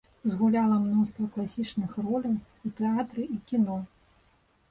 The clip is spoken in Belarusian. Згуляла мноства класічных роляў у тэатры і ў кіно.